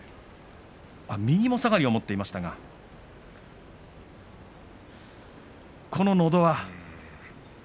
右もさがりを持っていましたがそしてのど輪。